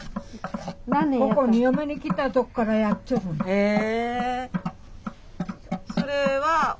へえ！